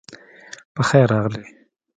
پخير راغلې